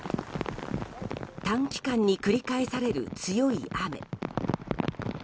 短期間に繰り返される強い雨。